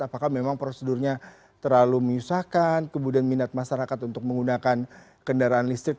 apakah memang prosedurnya terlalu menyusahkan kemudian minat masyarakat untuk menggunakan kendaraan listrik